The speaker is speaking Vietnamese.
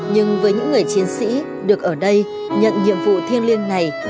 nhưng với những người chiến sĩ được ở đây nhận nhiệm vụ thiêng liêng này